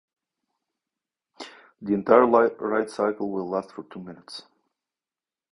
The entire ride cycle will last for two minutes.